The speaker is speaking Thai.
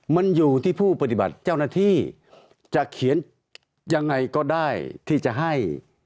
มันอยู่ที่ผู้ปฏิบัติเจ้าหน้าที่จะเขียนยังไงก็ได้ที่จะให้